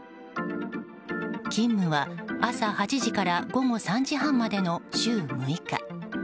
勤務は朝８時から午後３時半までの週６日。